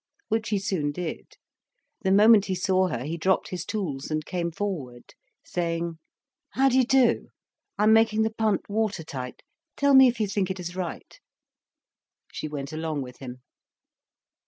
Which he soon did. The moment he saw her, he dropped his tools and came forward, saying: "How do you do? I'm making the punt water tight. Tell me if you think it is right." She went along with him.